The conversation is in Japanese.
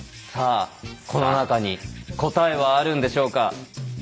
さあこの中に答えはあるんでしょうか？